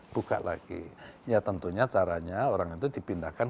buka lagi ya tentunya caranya orang itu dipindahkan